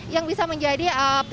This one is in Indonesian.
yang bisa menjadi tempat untuk menikmati